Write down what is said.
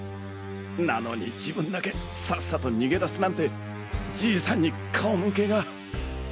なのに自分だけサッサと逃げ出すなんてじいさんに顔向けが。